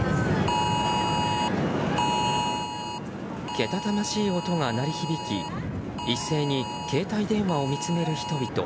けたたましい音が鳴り響き一斉に携帯電話を見つめる人々。